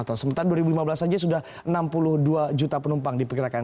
atau sementara dua ribu lima belas saja sudah enam puluh dua juta penumpang diperkirakan